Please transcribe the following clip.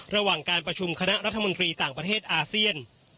ระหว่างการประชุมคณะรัฐมนตรีต่างประเทศอาเซียน